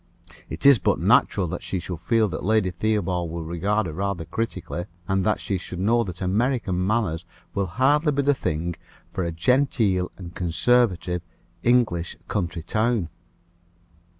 "It is but natural that she should feel that Lady Theobald will regard her rather critically, and that she should know that American manners will hardly be the thing for a genteel and conservative English country town."